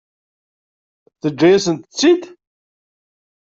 Teǧǧa-yasent-tt-id?